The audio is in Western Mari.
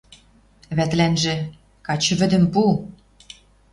Вӓтӹлӓнжӹ: «Качы вӹдӹм пу»